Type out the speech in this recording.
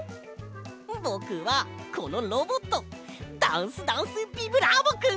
ぼくはこのロボットダンスダンスビブラーボくん！